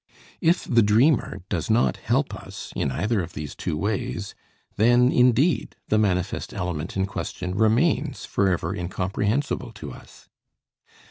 If the dreamer does not help us in either of these two ways, then indeed the manifest element in question remains forever incomprehensible to us.